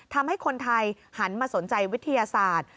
ทำให้คนไทยหันมาสนใจวิทยาศาสตร์